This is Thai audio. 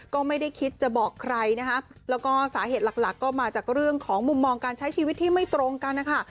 ก็ไม่ได้คิดจะบอกใครนะคะแล้วก็สาเหตุหลักหลักก็มาจากเรื่องของมุมมองการใช้ชีวิตที่ไม่ตรงกันนะคะ